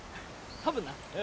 多分な。